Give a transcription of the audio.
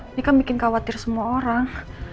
ini kan bikin khawatir semua orang